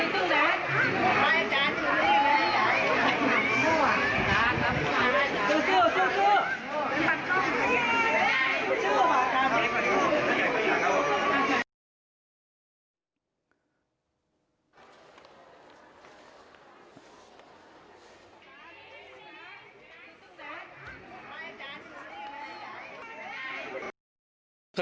แต่เอาเป็นว่ามีคนมาให้กำลังใจเดี๋ยวท่านลองฟังหน่อยกันสำหรับผู้ที่เขามาให้กำลังใจเดี๋ยวท่านลองฟังหน่อยกันสำหรับผู้ที่เขามาให้กำลังใจ